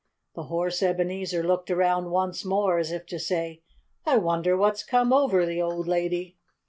The horse Ebenezer looked around once more, as if to say, "I wonder what's come over the old lady."